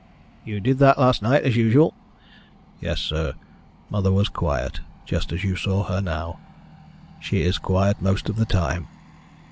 "You did that last night, as usual?" "Yes, sir. Mother was quiet just as you saw her now. She is quiet most of the time."